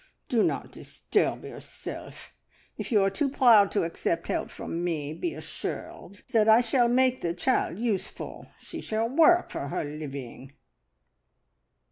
Do not disturb yourself; if you are too proud to accept help from me, be assured that I shall make the child useful. She shall work for her living!"